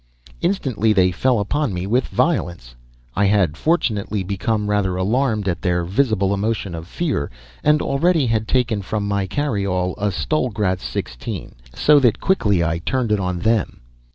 Instantly they fell upon me with violence. I had fortunately become rather alarmed at their visible emotion of fear, and already had taken from my carry all a Stollgratz 16, so that I quickly turned it on them.